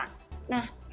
nah inilah poinnya